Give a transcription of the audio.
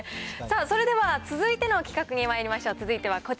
それでは続いての企画にまいりましょう。